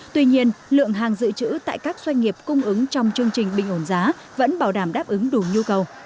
tuy nhiên lượng hàng dự trữ tại các doanh nghiệp cung ứng trong chương trình bình ổn giá vẫn bảo đảm đáp ứng đủ nhu cầu